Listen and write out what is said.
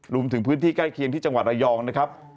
รวมถึงพื้นที่ใกล้เคียงที่จังหวัดระยองนะครับ